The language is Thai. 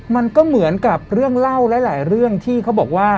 มันก็เหมือนกับเรื่องเล่าหลายเรื่องที่เขาบอกว่า